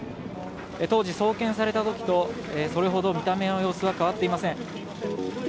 当時、送検されたときとそれほど見た目の様子は変わっていません。